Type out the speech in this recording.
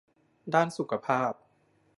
ด้านสุขภาพ